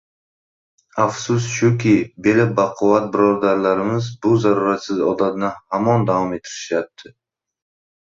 Afsus shuki, beli baquvvat birodarlarimiz bu zaruratsiz odatni hamon davom ettirishyapti.